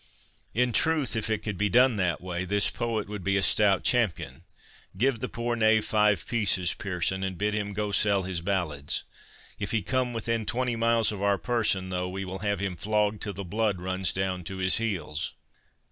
In truth, if it could be done that way, this poet would be a stout champion. Give the poor knave five pieces, Pearson, and bid him go sell his ballads. If he come within twenty miles of our person, though, we will have him flogged till the blood runs down to his heels."